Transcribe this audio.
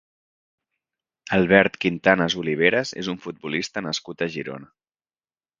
Albert Quintanas Oliveras és un futbolista nascut a Girona.